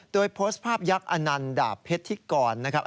โดยโพสต์ภาพยักษ์อนันดาเผ็ดที่ก่อนนะครับ